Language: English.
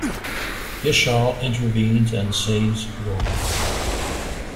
Vishal intervenes and saves Roma.